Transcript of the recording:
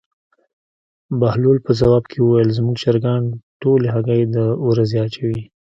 بهلول په ځواب کې وویل: زموږ چرګان ټولې هګۍ د ورځې اچوي.